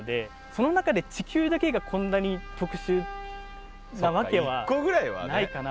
その中で地球だけがこんなに特殊なわけはないかな。